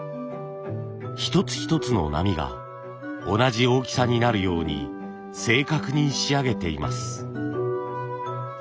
一つ一つの波が同じ大きさになるように正確に仕上げています。